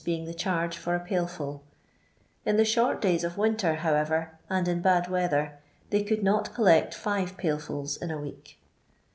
being the charge for a pail full ; in tlie short days of winter, however, and in bad weather, they could not collect five pail fulls in a week.